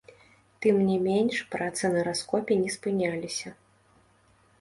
Тым не менш працы на раскопе не спыняліся.